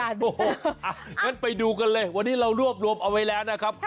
งั้นไปดูกันเลยวันนี้เรารวบรวมเอาไว้แล้วนะครับ